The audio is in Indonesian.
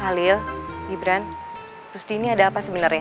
halil gibran trusdy ini ada apa sebenarnya